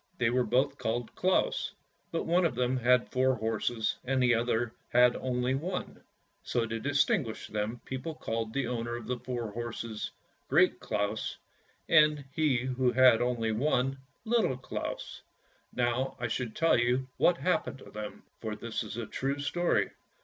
They were both called Claus, but one of them had four horses, and the other had only one; so to distinguish them people called the owner of the four horses " Great Claus," and he who had only one " Little Claus." Now I shall tell you what happened to them, for this is a true story.